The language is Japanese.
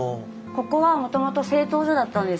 ここはもともと製陶所だったんですよ。